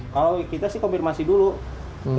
kalau kita sih konfirmasi dulu